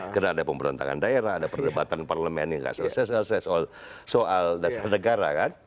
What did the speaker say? karena ada pemberontakan daerah ada perdebatan parlement yang nggak selesai selesai soal dasar negara